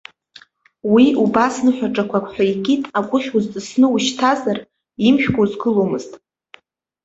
Уи убас ныҳәаҿақәак ҳәа икит, агәыхь узҵысны уажәшьҭазар, имжәкәа узгыломызт!